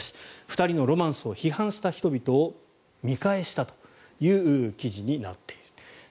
２人のロマンスを批判した人々を見返したという記事になっている。